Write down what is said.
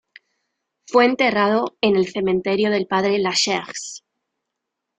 Fue enterrado en el cementerio del Padre-Lachaise.